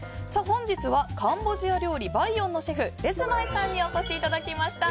本日はカンボジア料理バイヨンのシェフレスマイさんにお越しいただきました。